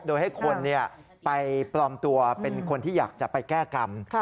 โดยให้คนไปปลอมตัวเป็นคนที่อยากจะไปแก้กรรม